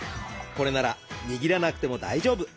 これなら握らなくても大丈夫。